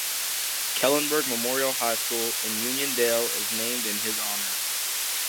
Kellenberg Memorial High School in Uniondale is named in his honor.